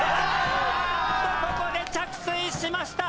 ここで着水しました。